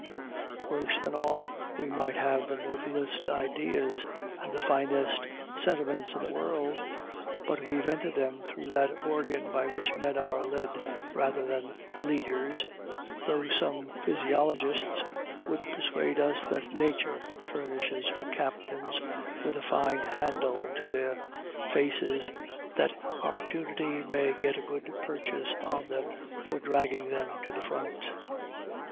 Worse than all, we might have the noblest ideas and the finest sentiments in the world, but we vented them through that organ by which men are led rather than leaders, though some physiologists would persuade us that Nature furnishes her captains with a fine handle to their faces that Opportunity may get a good purchase on them for dragging them to the front.